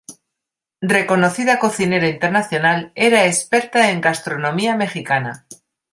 Reconocida cocinera internacional, era experta en gastronomía mexicana.